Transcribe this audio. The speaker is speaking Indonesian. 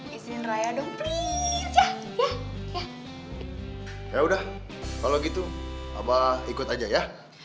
isin raya dong please ya ya ya